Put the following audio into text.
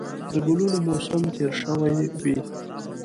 د ګلونو موسم تېر شوی وي